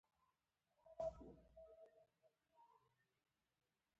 دا د مطلوب وضعیت طراحي ده.